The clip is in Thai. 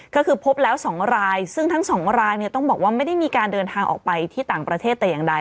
ก็คือพบแล้ว๒รายซึ่งทั้งสองรายเนี่ยต้องบอกว่าไม่ได้มีการเดินทางออกไปที่ต่างประเทศแต่อย่างใด